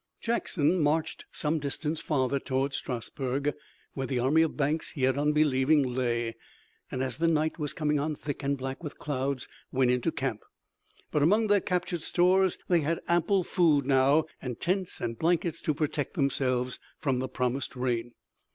Jackson marched some distance farther toward Strasburg, where the army of Banks, yet unbelieving, lay, and as the night was coming on thick and black with clouds, went into camp. But among their captured stores they had ample food now, and tents and blankets to protect themselves from the promised rain.